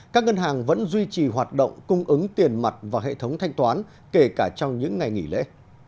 các ngân hàng vẫn duy trì hoạt động cung ứng tiền mặt và hệ thống thanh toán kể cả trong những ngày nghỉ lễ